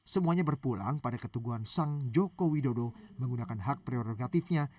semuanya berpulang pada ketuguan sang joko widodo menggunakan hak prerogatifnya